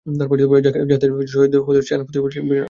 যায়েদ শহীদ হলে সেনাপতি হবে জাফর বিন আবী তালেব।